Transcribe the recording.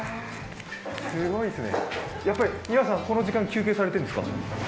やっぱり皆さんこの時間、休憩されているんですか？